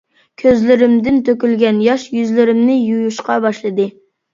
كۆزلىرىمدىن تۆكۈلگەن ياش يۈزلىرىمنى يۇيۇشقا باشلىدى.